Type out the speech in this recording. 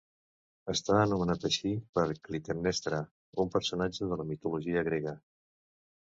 Està anomenat així per Clitemnestra, un personatge de la mitologia grega.